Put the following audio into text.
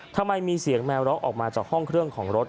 ทำไมมีเสียงแมวร้องออกมาจากห้องเครื่องของรถ